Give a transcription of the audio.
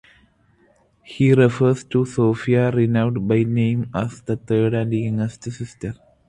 He refers to Sophie Renaud by name as the third and youngest sister.